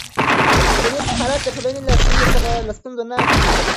ټولنیز حالت د ټولنې له ستونزو نه پټيږي.